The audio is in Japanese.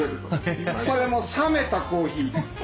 それも冷めたコーヒー。